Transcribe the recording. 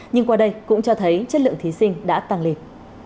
nhưng qua đây cũng cho thấy chất lượng thí sinh đã tăng lên